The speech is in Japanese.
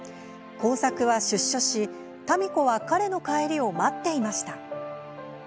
耕作は出所し民子は彼の帰りを待っていました。